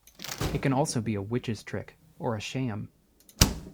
It can also be a witch's trick, or a sham.